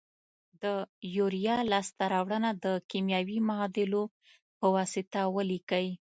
د یوریا لاس ته راوړنه د کیمیاوي معادلو په واسطه ولیکئ.